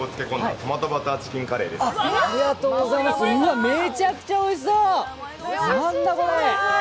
うわ、めちゃくちゃおいしそう、なんだこれ。